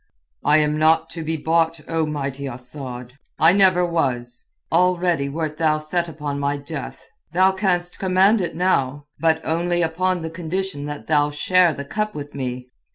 "I am not to be bought, O mighty Asad. I never was. Already wert thou set upon my death. Thou canst command it now, but only upon the condition that thou share the cup with me.